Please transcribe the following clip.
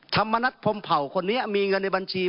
ธรรมนัฐพรมเผ่าคนนี้มีเงินในบัญชี